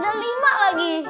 ada lima lagi